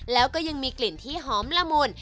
แล้วก็ยังมีกลิ่นที่หอมละมุน